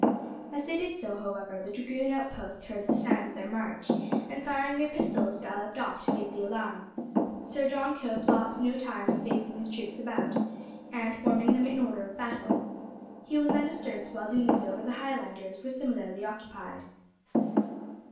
As they did so, however, the dragoon outposts heard the sound of their march, and firing their pistols galloped off to give the alarm. Sir John Cope lost no time facing his troops about, and forming them in order of battle. He was undisturbed while doing so, for the Highlanders were similarly occupied.